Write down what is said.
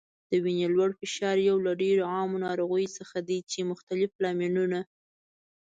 د وینې لوړ فشار یو له ډیرو عامو ناروغیو څخه دی چې مختلف لاملونه